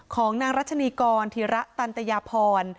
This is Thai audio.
ของนางรัชนีกรธิระตันตยาพร